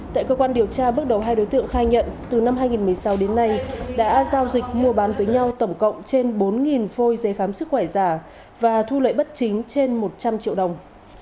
tại cơ quan điều tra bước đầu hai đối tượng khai nhận từ năm hai nghìn một mươi sáu đến nay đã giao dịch mua bán với nhau tổng cộng trên bốn phôi giấy khám sức khỏe giả và thu lợi bất chính trên một trăm linh triệu đồng